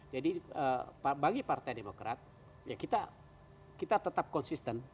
jadi bagi partai demokrat ya kita tetap konsisten